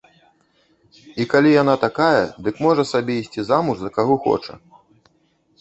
І калі яна такая, дык можа сабе ісці замуж за каго хоча.